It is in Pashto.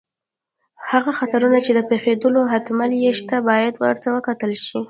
هغه خطرونه چې د پېښېدلو احتمال یې شته، باید ورته وکتل شي.